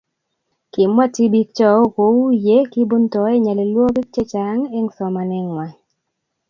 Kimwa tibiik choe ko uu ye kibuntoe nyalilwokik che chang eng somanee ngwang